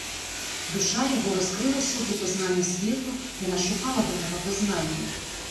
Душа яго раскрылася для пазнання свету, яна шукала гэтага пазнання.